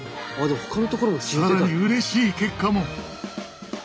更にうれしい結果も。